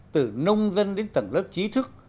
từ nông dân đến tầng lớp trí thức